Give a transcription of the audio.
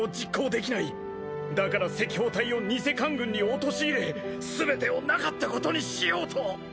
だから赤報隊を偽官軍に陥れ全てをなかったことにしようと。